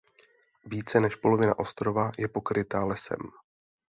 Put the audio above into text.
Více než polovina ostrova je pokryta lesem.